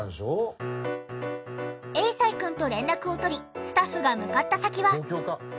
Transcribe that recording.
永才くんと連絡を取りスタッフが向かった先は。